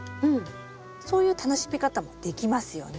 そういう楽しみ方もできますよね。